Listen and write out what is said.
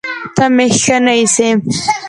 ته مې ښه نه ايسې